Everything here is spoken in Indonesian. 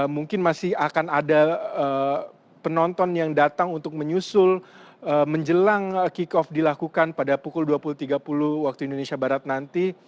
mungkin masih akan ada penonton yang datang untuk menyusul menjelang kick off dilakukan pada pukul dua puluh tiga puluh waktu indonesia barat nanti